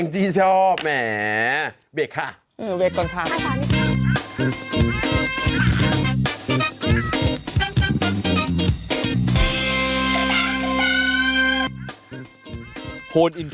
เองจี้ชอบนะหรือไม่งั้นเนอะ